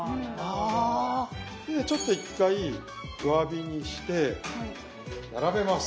ちょっと１回弱火にして並べます。